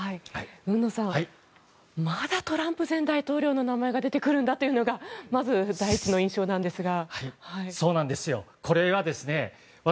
海野さんまだトランプ前大統領の名前が出てくるんだというのがまず第１の印象なんですが。